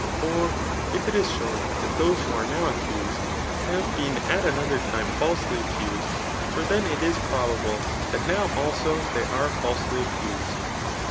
Or if it is shown that those who are now accused, have been at 264 TH£ ART OF BOOK 111. another time falsely accused ; for then it is probable that now also they are falsely accused.